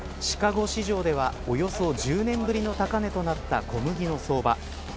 シカゴ市場ではおよそ１０年ぶりの高値となった小麦の相場。